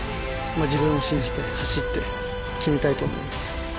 自分を信じて走って決めたいと思います。